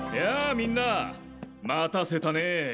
みんな待たせたねぇ！